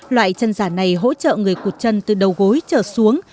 loại chân giả này hỗ trợ người cột chân từ đầu gối trở xuống